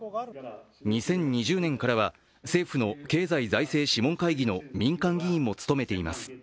２０２０年からは政府の経済財政諮問会議の民間議員も務めています。